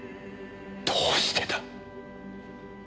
どうしてだ？